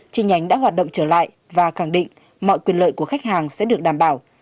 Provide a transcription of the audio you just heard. chi nhánh đã hoạt động trở lại và khẳng định mọi quyền lợi của khách hàng sẽ được đảm bảo